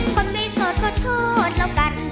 คนไม่โสดขอโทษแล้วกัน